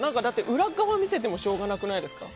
裏側見せてもしょうがなくないですか。